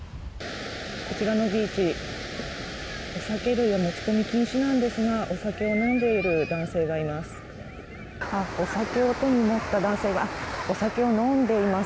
こちらのビーチ酒類は持ち込み禁止なんですがお酒を飲んでいる男性がいます。